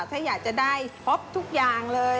ถ้าอยากจะได้ครบทุกอย่างเลย